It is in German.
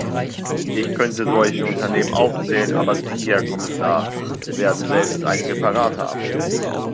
Ich könnte solche Unternehmen aufzählen, aber Sie, Herr Kommissar, werden selbst einige parat haben.